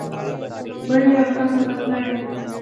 بل رقم خفه یم